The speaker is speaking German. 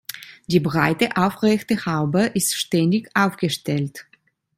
Die breite, aufrechte Haube ist ständig aufgestellt.